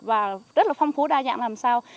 và rất là phong phú đa dạng làm sao